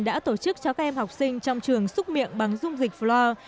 đã tổ chức cho các em học sinh trong trường xúc miệng bằng dung dịch floor